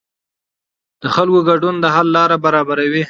د خلکو ګډون د حل لاره برابروي